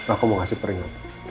aku mau kasih peringatan